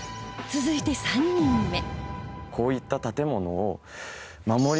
続いて３人目